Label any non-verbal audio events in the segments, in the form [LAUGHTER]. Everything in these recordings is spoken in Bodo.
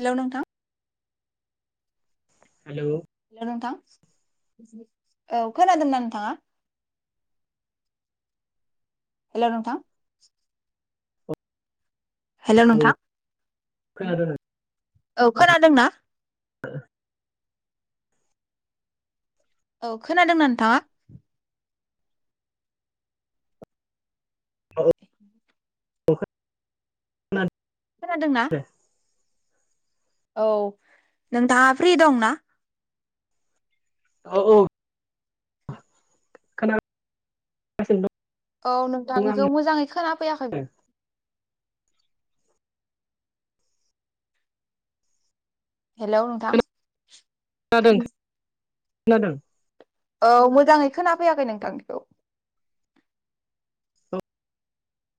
हेलौ नोंथां हेलौ हेलौ नोंथां औ खोनादोंना नोंथांङा? हेलौ नोंथां औ हेलौ नोंथां खोनादों औ नोंथां खोनादों ना? औ खोनादोंना नोंथांङा? [UNINTELLIGIBLE] खोनादोंना? औ नोंथांङा फ्रि दं ना? औ औ खोनागासिनो दं। औ नोंथांनिखौ आङो मोजांङै खोना फैयाखै हेलौ नोंथां खोनादों खोनादों औ मोजांङै खोनाफैयाखै नोंथांनिखौ।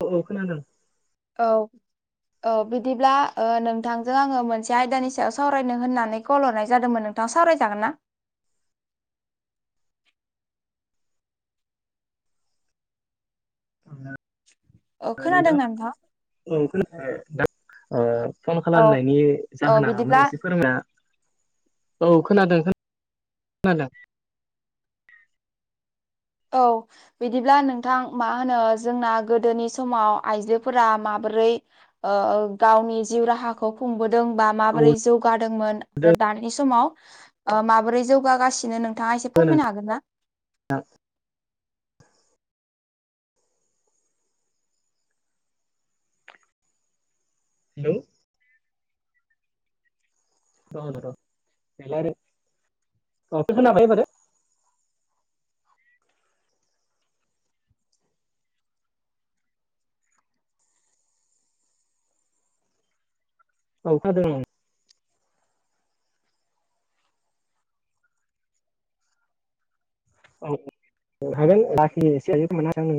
औ औ खोनादों। औ औ बिदिब्ला ओ नोंथांजों आंङो मोनसे आयदानि सायाव सावरायनो होननानै कल हरनाय जादोंमोन नों दा सावरायजागोन ना? अ खोनादों नोंथाङा ना नोंथां? औ [UNINTELLIGIBLE] ओ फन औ खालामनायनि औ जाहोना बिदिब्ला माने एसे फोरमाय औ खोनादों नोंथां खोनादों। औ बिदिब्ला नोंथां मा होनो जोंना गोदोनि समाव आइजोफोरा माबोरै ओ ओं गावनि जिउ राहाखौ खुंबोदों बा औ माबोरै जौगादोंमोन आरो दोङो दानि समाव ओ माबोरै जौगासिनो नों थाङा एसे फोरमायनो नोंथां हागोन ना? हेलौ [UNINTELLIGIBLE] औ खोनाबाय एबारो। औ खोनादों नों औ हागोन लाखि एसे जायो [UNINTELLIGIBLE]